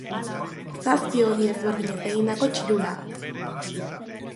Zazpi hodi ezberdinez egindako txirula bat.